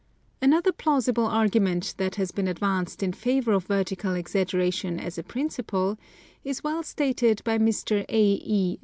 Another plausible argument that has been advanced in favor of vertical exaggeration as a princi ple, is well stated by Mr. A. E.